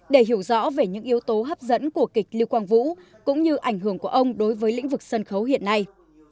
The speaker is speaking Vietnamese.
để hiểu rõ về những yếu tố hấp dẫn của kịch lưu quang vũ cũng như ảnh hưởng của ông đối với lĩnh vực sân khấu hiện nay